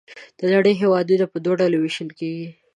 د نړۍ هېوادونه په دوه ډلو ویشل کیږي.